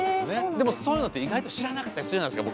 でもそういうのって意外と知らなかったりするじゃないですか